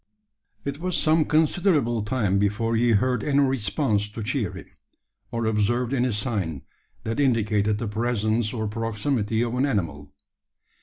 It was some considerable time before he heard any response to cheer him, or observed any sign that indicated the presence or proximity of an animal.